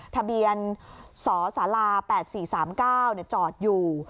ทะเบียนสศ๘๔๓๙จอดอยู่